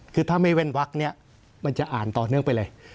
คือถ้าไม่เว่นวักเนี่ยมันจะอ่านต่อเนื่องไปเลย